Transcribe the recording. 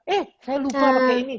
eh saya lupa pakai ini